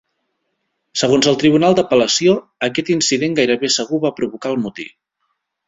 Segons el tribunal d'apel·lació, aquest incident gairebé segur va provocar el motí.